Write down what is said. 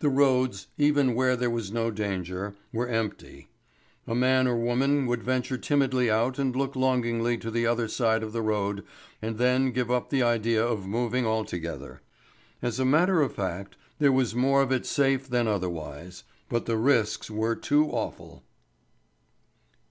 The roads, even where there was no danger, were empty. A man or woman would venture timidly out and look longingly to the other side of the road and then give up the idea of moving altogether. As a matter of fact there was more of it safe than otherwise, but the risks were too awful.